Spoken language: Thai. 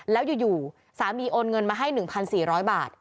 แล้วอยู่สามีโอนเงินมาให้๑๔๐๐บาท